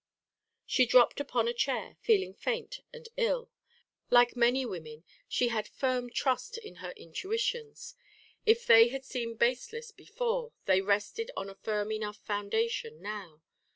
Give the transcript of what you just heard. She dropped upon a chair, feeling faint and ill. Like many women, she had firm trust in her intuitions. If they had seemed baseless before, they rested on a firm enough foundation now.